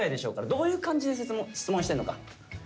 どういう感じで質問してんのか。